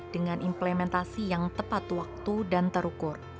dengan implementasi yang tepat waktu dan terukur